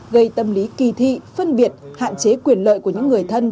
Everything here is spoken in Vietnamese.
gây tâm lý kỳ thị phân biệt hạn chế quyền lợi của những người thân